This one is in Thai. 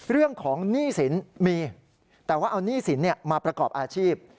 เรื่องของหนี้สินมีแต่ว่าเอาหนี้สินมาประกอบอาชีพ